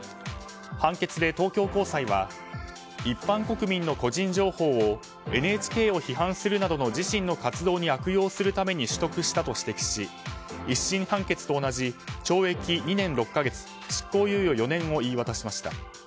判決で東京高裁は一般国民の個人情報をＮＨＫを批判するなどの自身の活動に悪用するために取得したと指摘し１審判決と同じ懲役２年６か月、執行猶予４年を言い渡しました。